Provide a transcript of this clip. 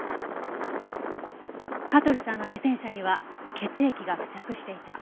香取さんの自転車には血液が付着していた。